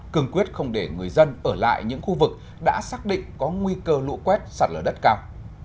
cường quyết không để người dân ở lại những khu vực đã xác định có nguy cơ lũ quét sạt lở đất cao